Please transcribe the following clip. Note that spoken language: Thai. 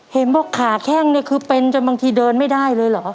เห็นบอกขาแข้งนี่คือเป็นจนบางทีเดินไม่ได้เลยเหรอ